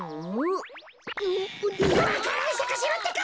わか蘭さかせろってか！